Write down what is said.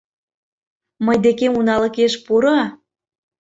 — Мый декем уналыкеш пуро.